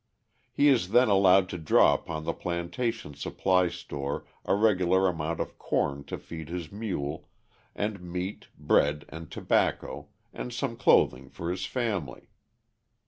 He is then allowed to draw upon the plantation supply store a regular amount of corn to feed his mule, and meat, bread, and tobacco, and some clothing for his family.